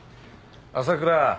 朝倉。